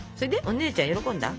お姉ちゃん喜んだ？